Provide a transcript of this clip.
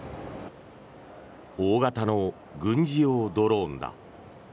大型の軍事用ドローンだ。